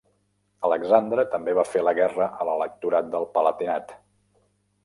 Alexandre també va fer la guerra a l'Electorat del Palatinat.